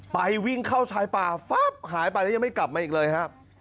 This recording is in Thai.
วิ่งเข้าชายป่าฟับหายไปแล้วยังไม่กลับมาอีกเลยครับ